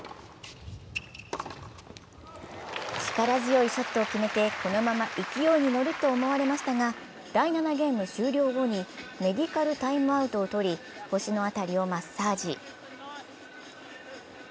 力強いショットを決めてこのまま勢いに乗ると思われましたが第７ゲーム終了後にメディカルタイムアウトを取り腰の辺りをマッサージ。